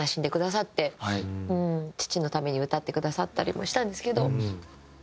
父のために歌ってくださったりもしたんですけど。